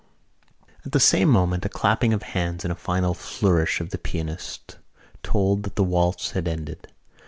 At the same moment a clapping of hands and a final flourish of the pianist told that the waltz had ended.